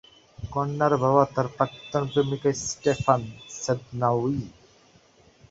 কন্যার বাবা তার প্রাক্তন প্রেমিকা স্টেফান সেদনাউয়ি।